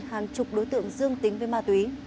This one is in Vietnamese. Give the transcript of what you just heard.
hàng chục đối tượng dương tính với ma túy